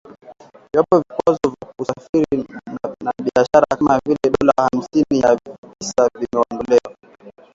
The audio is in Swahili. iwapo vikwazo vya kusafiri na biashara kama vile dola hamsini ya visa vimeondolewa